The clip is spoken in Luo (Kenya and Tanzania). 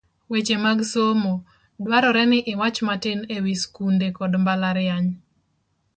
Weche mag Somo , dwarore ni iwach matin e wi skunde kod mbalariany